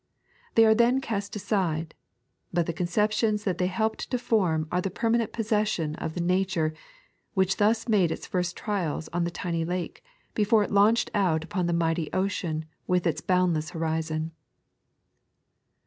They are then cast aside ; but the conceptions that they helped to form are the permanent possession of the nature, which thus made its first trials on the tiny lake, before it launched out upon the mighty ocean with its boundless horizon.